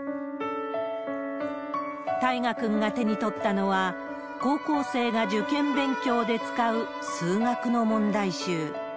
大芽君が手に取ったのは、高校生が受験勉強で使う数学の問題集。